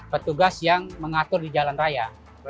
petugas yang mengatur di jalan raya